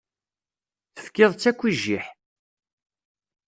Tefkiḍ-tt akk i jjiḥ.